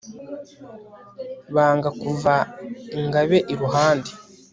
banga kumva ingabe iruhande